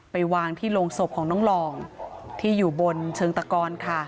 ไปวางที่โรงศพของน้องหลองที่อยู่บนเชิงตะกอนค่ะ